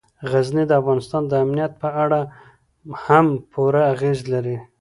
غزني د افغانستان د امنیت په اړه هم پوره اغېز لري.